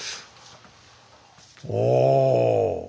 おお！